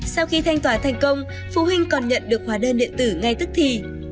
sau khi thanh toán thành công phụ huynh còn nhận được hóa đơn điện tử ngay tức thì